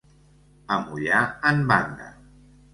Amollar en banda.